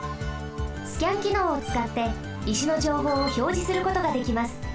スキャンきのうをつかって石のじょうほうをひょうじすることができます。